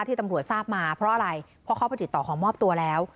ที่ตำรวจทราบมาเพราะอะไรเพราะเขาไปติดต่อขอมอบตัวแล้ว